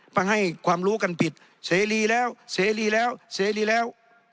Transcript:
มาให้ความรู้กันผิดเสรีแล้วเสรีแล้วเสรีแล้ว